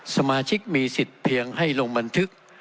สมาชิกมีสิทธิ์เพียงให้ลงบันทึก